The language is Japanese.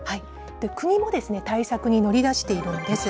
国も対策に乗り出しているんです。